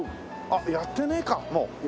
あっやってねえかもう。